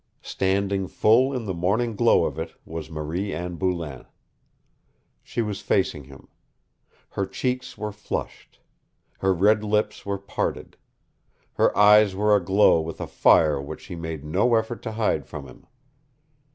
Standing full in the morning glow of it was Marie Anne Boulain. She was facing him. Her cheeks were flushed. Her red lips were parted. Her eyes were aglow with a fire which she made no effort to hide from him.